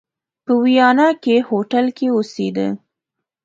په ویانا کې هوټل کې اوسېدی.